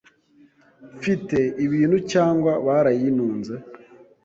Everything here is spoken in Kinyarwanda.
Mfite ibintu cyangwa baranyitunze?